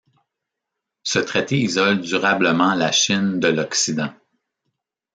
Ce traité isole durablement la Chine de l’Occident.